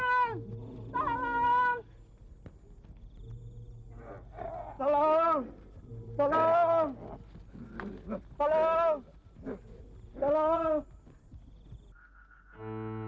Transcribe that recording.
ibu tahu kak fiat kalau terjadi apa apa dengan ratu